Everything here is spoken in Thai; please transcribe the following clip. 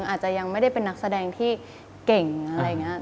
อาจจะยังไม่ได้เป็นนักแสดงที่เก่งอะไรอย่างนี้